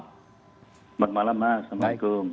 selamat malam mas assalamualaikum